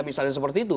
misalnya seperti itu